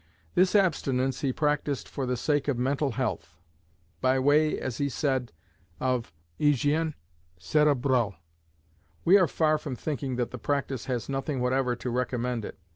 This abstinence he practised for the sake of mental health; by way, as he said, of "hygiène cérébrale." We are far from thinking that the practice has nothing whatever to recommend it.